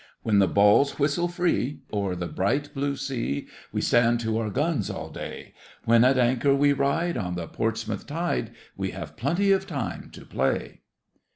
When the balls whistle free O'er the bright blue sea, We stand to our guns all day; When at anchor we ride On the Portsmouth tide, We have plenty of time to play.